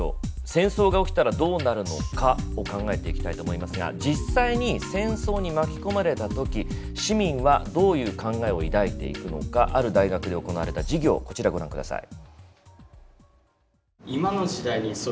「戦争が起きたらどうなるのか」を考えていきたいと思いますが実際に戦争に巻き込まれた時市民はどういう考えを抱いていくのかある大学で行われた授業こちらご覧ください。